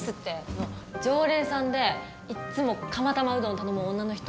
あの常連さんでいっつも釜玉うどん頼む女の人。